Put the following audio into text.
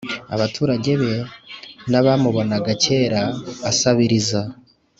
Abaturage be nabamubonaga kera asabiriza